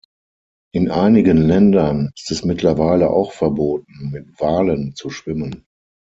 In einigen Ländern ist es mittlerweile auch verboten, mit Walen zu schwimmen.